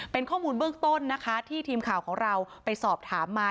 เป็นข้อมูลเบื้องต้นนะคะที่ทีมข่าวของเราไปสอบถามมา